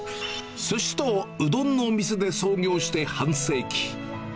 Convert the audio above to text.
すしとうどんの店で創業して半世紀。